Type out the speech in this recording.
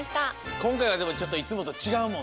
こんかいはでもちょっといつもとちがうもんね。